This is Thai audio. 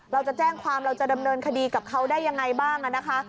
เราจะแจ้งความเราจะดำเนินคดีกับเขาได้ยังไงบ้างนะคะ